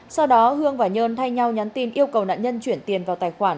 sau đó hương và nhơn thay nhau nhắn tin yêu cầu nạn nhân chuyển tiền vào tài khoản